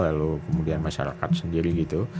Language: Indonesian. lalu kemudian masyarakat sendiri gitu